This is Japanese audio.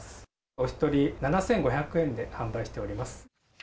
お１人７５００円で販売しております。